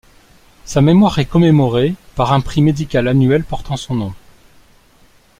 Sa mémoire est commémorée par un prix médical annuel portant son nom.